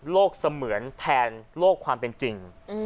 เสมือนแทนโลกความเป็นจริง